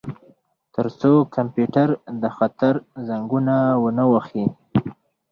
ترڅو کمپیوټر د خطر زنګونه ونه وهي